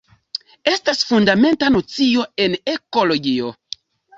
Estas fundamenta nocio en ekologio.